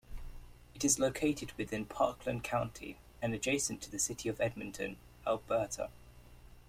It is located within Parkland County and adjacent to the City of Edmonton, Alberta.